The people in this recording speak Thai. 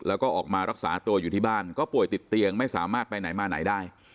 แล้วก็ออกมารักษาตัวอยู่ที่บ้านก็ป่วยติดเตียงไม่สามารถไปไหนมาไหนได้